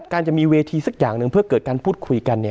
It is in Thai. การจะมีเวทีสักอย่างหนึ่งเพื่อเกิดการพูดคุยกัน